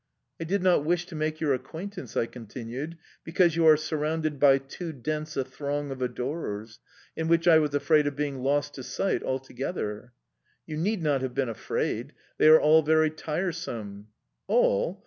"I did not wish to make your acquaintance," I continued, "because you are surrounded by too dense a throng of adorers, in which I was afraid of being lost to sight altogether." "You need not have been afraid; they are all very tiresome"... "All?